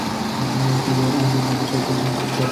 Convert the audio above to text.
-উনুনের মধ্যে এক উনুন জল যে?